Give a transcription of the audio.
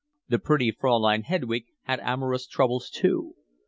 The pretty Fraulein Hedwig had amorous troubles too.